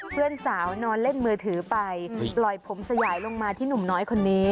เพื่อนสาวนอนเล่นมือถือไปปล่อยผมสยายลงมาที่หนุ่มน้อยคนนี้